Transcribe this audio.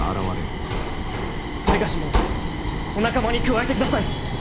某もお仲間に加えてください。